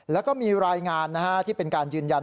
แล้วก็มีรายงานที่เป็นการยืนยัน